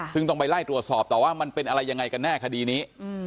ซึ่งต้องไปไล่ตรวจสอบต่อว่ามันเป็นอะไรยังไงกันแน่คดีนี้